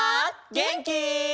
げんき？